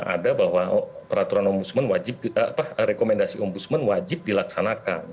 ada bahwa peraturan om busman wajib rekomendasi om busman wajib dilaksanakan